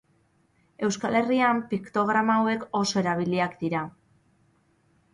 Euskal Herrian piktograma hauek oso erabiliak dira.